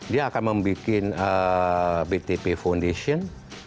dia akan membuat btp foundation